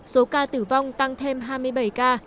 số ca tử vong tăng thêm hai mươi bảy ca